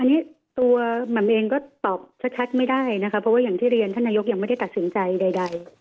อันนี้ตัวหม่ำเองก็ตอบชัดไม่ได้นะคะเพราะว่าอย่างที่เรียนท่านนายกยังไม่ได้ตัดสินใจใด